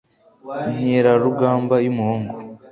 inkerarugamba y' umuhungu